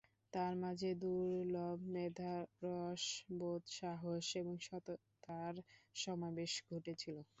তার মাঝে দূর্লভ মেধা, রসবোধ, সাহস এবং সততার সমাবেশ ঘটেছিল।